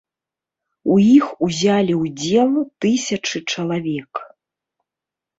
У іх узялі ўдзел тысячы чалавек.